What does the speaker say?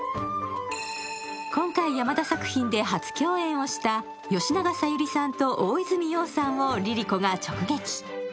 今回、山田作品で初共演をした吉永小百合さんと大泉洋さんをＬｉＬｉＣｏが直撃。